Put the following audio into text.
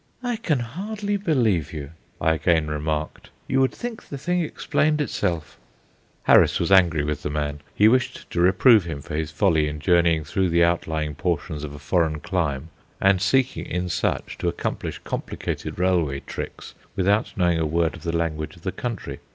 "I can hardly believe you," I again remarked; "you would think the thing explained itself." Harris was angry with the man; he wished to reprove him for his folly in journeying through the outlying portions of a foreign clime, and seeking in such to accomplish complicated railway tricks without knowing a word of the language of the country.